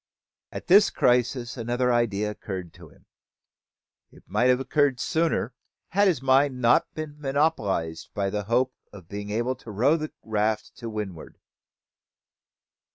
At this crisis another idea occurred to him. It might have occurred sooner, had his mind not been monopolised with the hope of being able to row the raft to windward.